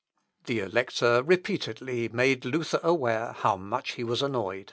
The Elector repeatedly made Luther aware how much he was annoyed.